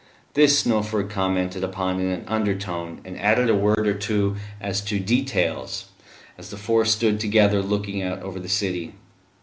This Snowford commented upon in an undertone, and added a word or two as to details, as the four stood together looking out over the city.